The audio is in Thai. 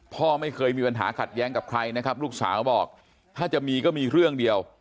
พ่อไม่เคยมีปัญหาขัดแย้งกับใครนะครับลูกสาวบอกถ้าจะมีก็มีเรื่องเดียว